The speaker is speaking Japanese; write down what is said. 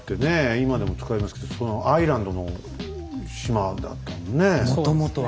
今でも使いますけどそのアイランドの「島」だったんだね。